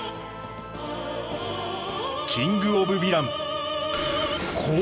キング・オブ・ヴィラン降臨。